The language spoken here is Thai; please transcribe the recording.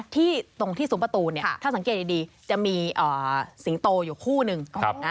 ตรงที่ซุ้มประตูถ้าสังเกตดีจะมีสิงโตอยู่คู่นึง